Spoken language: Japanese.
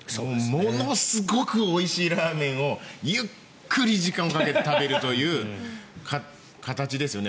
ものすごくおいしいラーメンをゆっくり時間をかけて食べるという形ですよね。